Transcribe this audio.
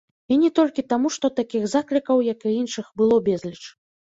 І не толькі таму, што такіх заклікаў, як і іншых, было безліч.